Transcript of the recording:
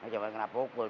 coba kena pukul